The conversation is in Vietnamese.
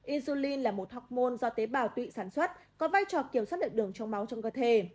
insulin là một hormôn do tế bào tụy sản xuất có vai trò kiểm soát lượng đường trong máu trong cơ thể